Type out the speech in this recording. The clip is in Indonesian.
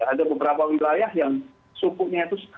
ada beberapa wilayah yang sukunya itu